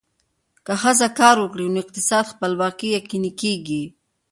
که ښځه کار وکړي، نو اقتصادي خپلواکي یقیني کېږي.